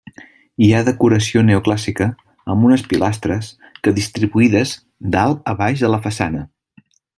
Hi ha decoració neoclàssica amb unes pilastres que distribuïdes dalt a baix de la façana.